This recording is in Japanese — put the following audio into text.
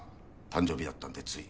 誕生日だったんでつい。